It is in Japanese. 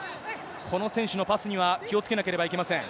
この選手のパスには、気をつけなければいけません。